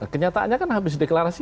kenyataannya kan habis deklarasi